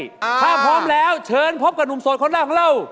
ถ้าพร้อมแล้วเชิญพบกับหนุ่มโสดคนแรกของเรา